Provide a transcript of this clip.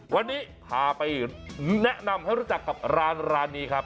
วันนี้พาไปแนะนำให้รู้จักกับร้านนี้ครับ